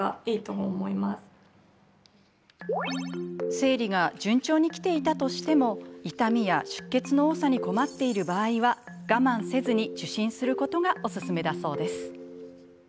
生理が順調にきていたとしても痛みや出血の多さに困っている場合は我慢せずに受診することがおすすめだそうです。